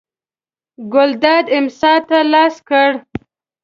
ګلداد امسا ته لاس کړ.